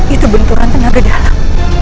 itu benturan tenaga dalam